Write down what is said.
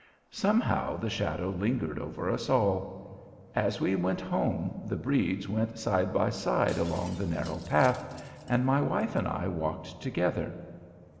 Somehow, the shadow lingered over us all. As we went home, the Bredes went side by side along the narrow path, and my wife and I walked together.